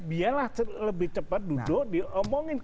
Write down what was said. biarlah lebih cepat duduk diomongin